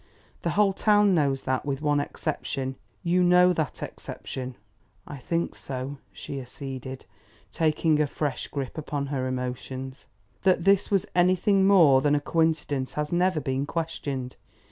The whole town knows that, with one exception. You know that exception?" "I think so," she acceded, taking a fresh grip upon her emotions. "That this was anything more than a coincidence has never been questioned.